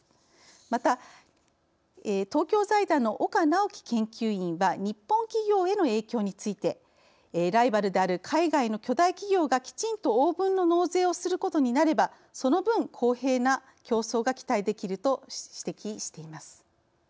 また東京財団の岡直樹研究員は日本企業への影響について「ライバルである海外の巨大企業がきちんと応分の納税をすることになればその分、公平な競争が期待できると指摘しています。